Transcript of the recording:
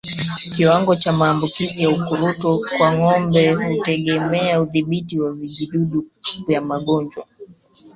Kiwango cha maambukizi ya ukurutu kwa ngombe hutegemea udhibiti wa vijidudu vya magonjwa